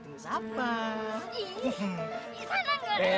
ihh kenalan ga